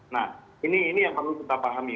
nah ini yang perlu kita pahami